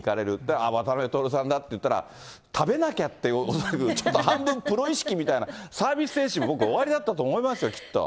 あっ、渡辺徹さんだって言われたら、食べなきゃって恐らく、ちょっと半分プロ意識みたいな、サービス精神おありだったと思いますよ、きっと。